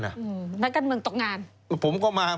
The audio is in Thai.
นักการเมืองตกงาน